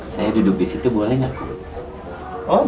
saya duduk di situ boleh nggak